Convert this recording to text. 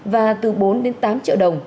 và từ bốn đến tám triệu đồng